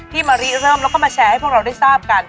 มะริเริ่มแล้วก็มาแชร์ให้พวกเราได้ทราบกัน